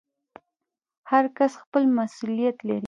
هر کس خپل مسوولیت لري